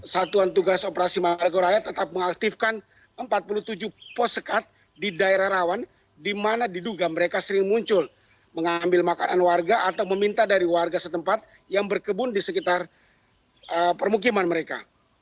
satuan tugas operasi margoraya tetap mengaktifkan empat puluh tujuh pos sekat di daerah rawan di mana diduga mereka sering muncul mengambil makanan warga atau meminta dari warga setempat yang berkebun di sekitar permukiman mereka